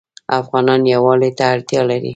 افغانان یووالي ته اړتیا لري.